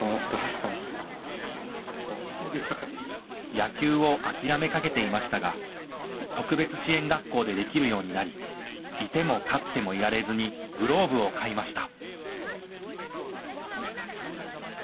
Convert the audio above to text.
野球を諦めかけていましたが特別支援学校でできるようになりいてもたってもいられずにグローブを買いました。